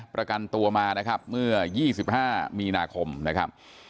ประกันตัวมานะครับเมื่อ๒๕มีนาคมนะครับ